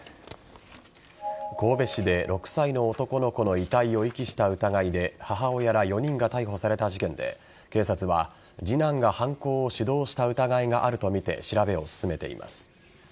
神戸市で６歳の男の子の遺体を遺棄した疑いで母親ら４人が逮捕された事件で警察は次男が犯行を主導した疑いがあるとみて調べを進めています。